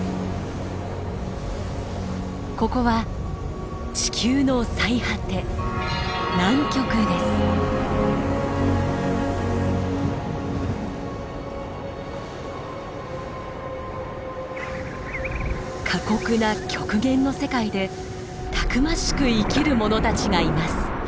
ここは地球の最果て過酷な極限の世界でたくましく生きるものたちがいます。